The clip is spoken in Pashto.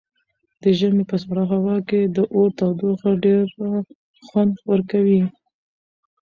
د ژمي په سړه هوا کې د اور تودوخه ډېره خوند ورکوي.